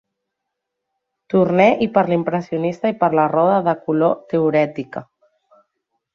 Turner i per l"impressionista i per la roda de color teorètica.